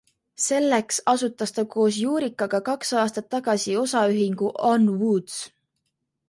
Selleks asutas ta koos Juurikaga kaks aastat tagasi osaühingu OnWoods.